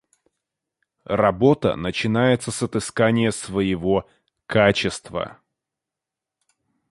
Работа начинается с отыскания своего качества.